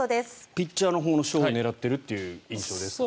ピッチャーのほうの賞を狙っているという印象ですか？